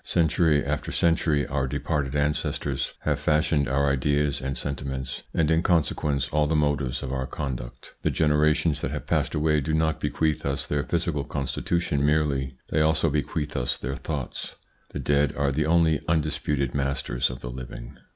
Century after century our departed ancestors have fashioned our ideas and sentiments, and in consequence all the motives of our conduct. The generations that have passed away do not bequeath us their physical constitution merely; they also bequeath us their thoughts. The dead are the only undisputed masters of the living.